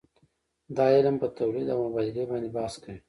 دا علم په تولید او مبادلې باندې بحث کوي.